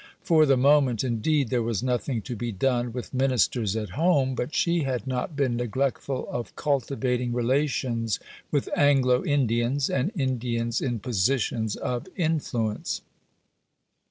For the moment, indeed, there was nothing to be done with Ministers at home; but she had not been neglectful of cultivating relations with Anglo Indians and Indians in positions of influence.